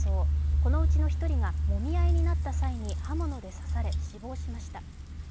このうちの１人が、もみ合いになった際に刃物で刺され死亡しました。